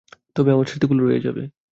তবে আমার স্মৃতিগুলো রয়ে যাবে।